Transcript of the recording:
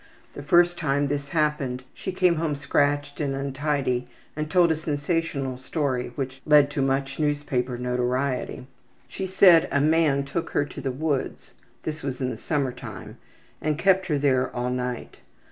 The first time this happened she came home scratched and untidy and told a sensational story which led to much newspaper notoriety. She said a man took her to the woods this was in the summertime and kept her there all night.